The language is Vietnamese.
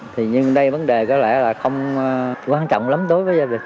thì nhưng đây vấn đề có lẽ là không quan trọng lắm đối với gia đình